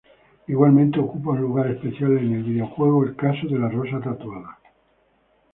Igualmente ocupa un lugar especial en el videojuego El caso de la rosa tatuada.